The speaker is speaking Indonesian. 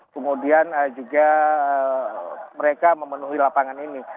kemudian juga mereka memenuhi lapangan ini